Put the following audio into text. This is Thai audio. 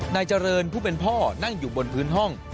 นายเจริญผู้เป็นพ่อนั่งอยู่บนพื้นห้อง